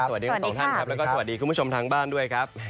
สวัสดีคุณทั้ง๒ท่านและก็สวัสดีคุณผู้ชมทางบ้านด้วยครับ